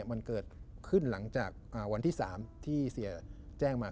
มันเกิดขึ้นหลังจากวันที่๓ที่เสียแจ้งมา